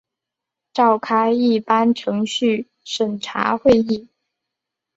召开一般程序审查会议